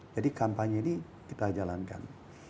jadi kampanye ini kita jalankan